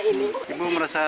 ketika dianggap terlalu banyak